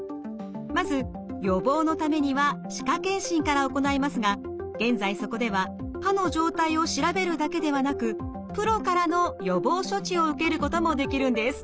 まず予防のためには歯科健診から行いますが現在そこでは歯の状態を調べるだけではなくプロからの予防処置を受けることもできるんです。